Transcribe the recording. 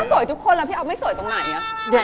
สวยทุกคนแล้วพี่อ๊อฟไม่สวยตรงไหน